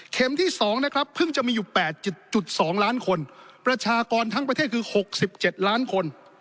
ที่๒นะครับเพิ่งจะมีอยู่๘๒ล้านคนประชากรทั้งประเทศคือ๖๗ล้านคน